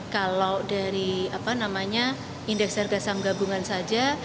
kalau dari apa namanya indeks harga saham gabungan saja